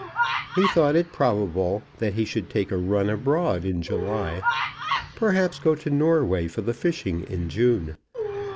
He thought it probable that he should take a run abroad in July; perhaps go to Norway for the fishing in June.